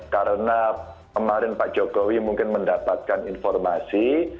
karena kemarin pak jokowi mungkin mendapatkan informasi